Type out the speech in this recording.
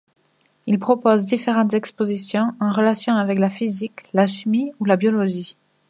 Il propose différentes expositions en relation avec la physique, la chimie ou la biologie.